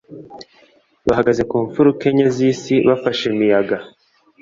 bahagaze ku mpfuruka enye z isi bafashe imiyaga